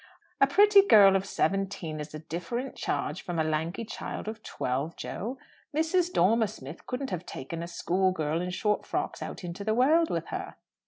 "A pretty girl of seventeen is a different charge from a lanky child of twelve, Jo. Mrs. Dormer Smith couldn't have taken a schoolgirl in short frocks out into the world with her."